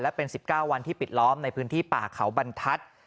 และเป็น๑๙วันที่ปิดล้อมในพื้นที่ป่าเขาบรรทัศน์